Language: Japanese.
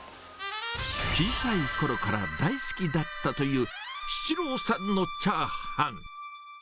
小さいころから大好きだったという七郎さんのチャーハン。